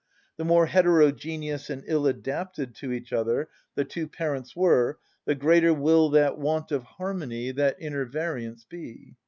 The more heterogeneous and ill‐adapted to each other the two parents were, the greater will that want of harmony, that inner variance, be.